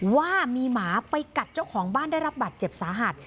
ว่ามีหมาไปกัดเจ้าของบ้านได้รับบาดเจ็บสาหัส